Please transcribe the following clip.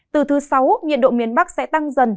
từ thứ sáu nhiệt độ miền bắc sẽ tăng dần